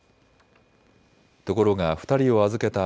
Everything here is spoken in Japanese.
ところが２人を預けた